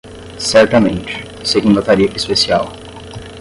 Certamente, segundo a tarifa especial.